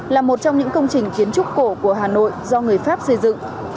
là một trong những công trình kiến trúc cổ của hà nội do người pháp xây dựng